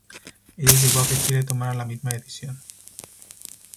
Ello llevó a que Chile tomara la misma decisión.